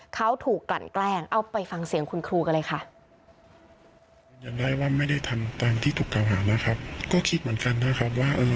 เขาถูกกลั่นแกล้งเอาไปฟังเสียงคุณครูกันเลยค่ะ